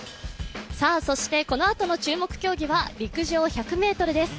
そしてこのあとの注目競技は陸上１００ｍです。